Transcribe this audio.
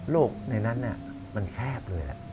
โลกในนั้นอะมันแคบเลยอะ